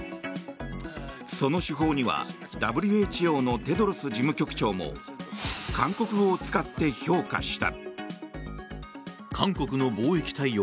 その手法にはＷＨＯのテドロス事務局長も韓国語を使って評価した。